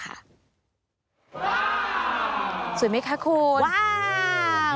ว้าวสวยไหมคะคุณว้าว